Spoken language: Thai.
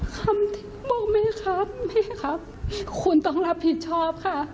คำที่บอกแม่ค่ะแม่ค่ะคุณต้องรับผิดชอบค่ะ